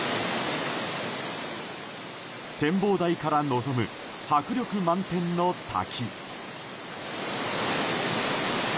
展望台から望む迫力満点の滝。